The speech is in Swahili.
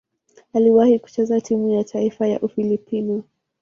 Aliwahi kucheza timu ya taifa ya Ufilipino.